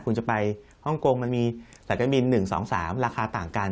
คุณจะไปฮ่องกงมันมีสายการบิน๑๒๓ราคาต่างกัน